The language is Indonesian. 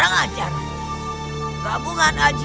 dan juga rezeki filem longgan jambahnya